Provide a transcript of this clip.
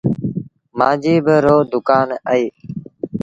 مآݩجي ڀآ رو دُڪآن اهي